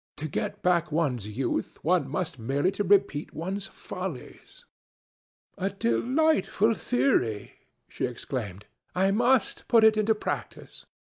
"To get back one's youth, one has merely to repeat one's follies." "A delightful theory!" she exclaimed. "I must put it into practice."